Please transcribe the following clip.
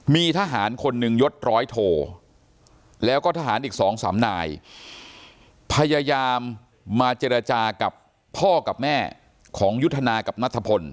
มีทหารคนหนึ่งยศร้อยโทแล้วก็ทหารอีกสองสามนายพยายามมาเจรจากับพ่อกับแม่ของยุทธนากับนัทพล